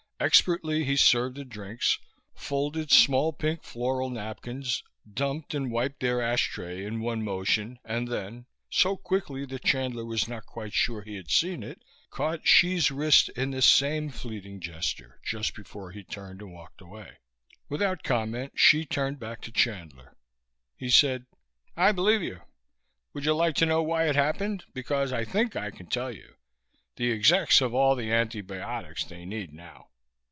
Expertly he served the drinks, folded small pink floral napkins, dumped and wiped their ashtray in one motion and then, so quickly that Chandler was not quite sure he had seen it, caught Hsi's wrist in the same fleeting gesture just before he turned and walked away. Without comment Hsi turned back to Chandler. He said, "I believe you. Would you like to know why it happened? Because I think I can tell you. The execs have all the antibiotics they need now."